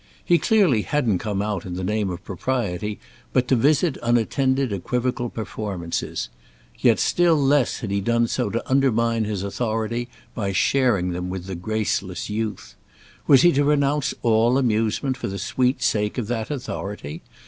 He clearly hadn't come out in the name of propriety but to visit unattended equivocal performances; yet still less had he done so to undermine his authority by sharing them with the graceless youth. Was he to renounce all amusement for the sweet sake of that authority?